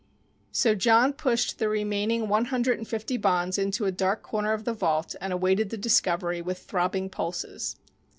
So John pushed the remaining one hundred and fifty bonds into a dark corner of the vault and awaited the discovery with throbbing pulses.